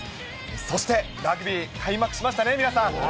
そしてラグビー開幕しましたね、皆さん。